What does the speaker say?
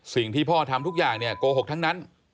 สิ่งที่พ่อทำทุกอย่างเนี่ยโกหกทั้งนั้น